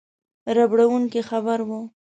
ربړوونکی خبر وو.